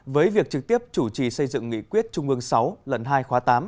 với việc trực tiếp chủ trì xây dựng nghị quyết trung ương sáu lần hai khóa tám